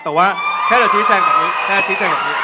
แต่ว่าแค่จะชี้แจงแบบนี้